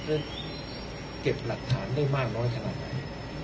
เก็บหลักฐานได้มากน้อยขนาดไหน